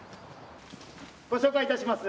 ご紹介いたします。